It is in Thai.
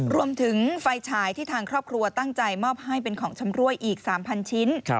รวมถึงไฟฉายที่ทางครอบครัวตั้งใจมอบให้เป็นของชำรวยอีก๓๐๐ชิ้น